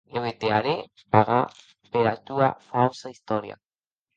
Lèu te harè pagar pera tua fausa istòria.